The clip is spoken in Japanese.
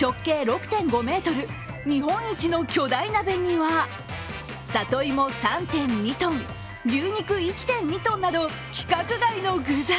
直径６．５ｍ、日本一の巨大鍋には里芋３．２ｔ、牛肉１．２ｔなど規格外の具材。